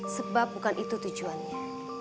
sebab bukan itu tujuannya